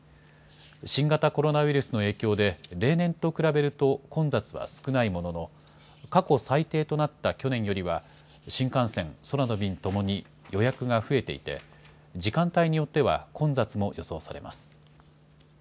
新型コロナウイルスの影響で、例年と比べると混雑は少ないものの、過去最低となった去年よりは、新幹線、空の便ともに予約が増えていて、時間帯によっては、混雑も予想されます。